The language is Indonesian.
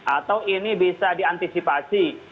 atau ini bisa diantisipasi